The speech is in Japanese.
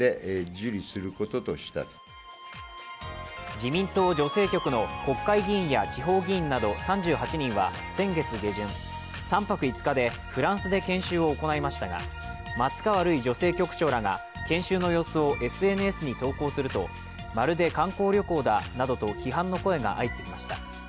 自民党女性局の国会議員や地方議員など３８人は先月下旬、３泊５日でフランスで研修を行いましたが松川るい女性局長らが研修の様子をＳＮＳに投稿するとまるで観光旅行だなどと批判の声が相次ぎました。